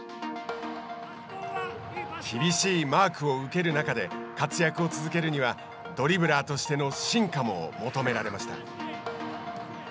厳しいマークを受ける中で活躍を続けるにはドリブラーとしての進化も求められました。